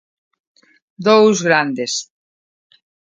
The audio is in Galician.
Dous grandes.